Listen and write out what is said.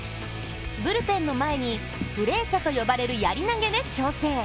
ブルペンの前に、フレーチャと呼ばれるやり投げで調整。